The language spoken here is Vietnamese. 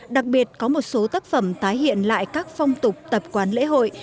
đặc biệt có một số tác phẩm tái hiện lại các phong tục tập quán lễ hội